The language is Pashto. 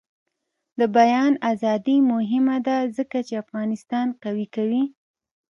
د بیان ازادي مهمه ده ځکه چې افغانستان قوي کوي.